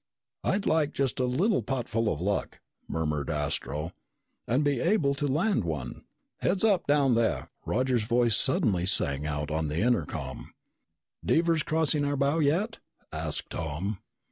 "I'd like just a little potful of luck," murmured Astro, "and be able to land one." "Heads up, down there!" Roger's voice suddenly sang out on the intercom. "Devers crossing our bow yet?" asked Tom.